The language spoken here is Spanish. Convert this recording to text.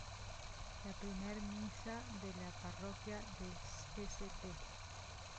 La primera misa de la parroquia de St.